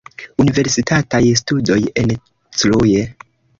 Universitataj studoj en Cluj.